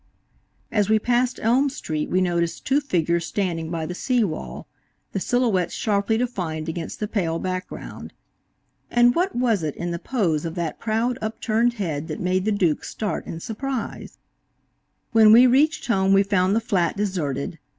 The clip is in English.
As we passed Elm street we noticed two figures standing by the sea wall, the silhouettes sharply defined against the pale background. And what was it in the pose of that proud, upturned head that made the Duke start in surprise? When we reached home we found the flat deserted.